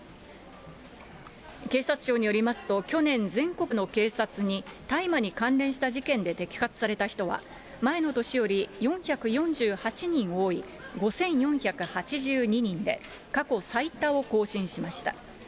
警察庁によりますと、去年、全国の警察に大麻に関連した事件で摘発された人は、前の年より４４８人多い、５４８２人で、過去最多を更新しました。